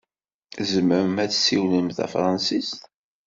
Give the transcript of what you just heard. Zemren ad ssiwlen tafṛensist.